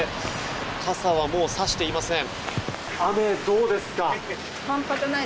傘はもうさしていません。